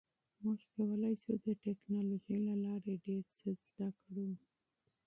موږ کولی شو د ټکنالوژۍ له لارې ډیر څه زده کړو.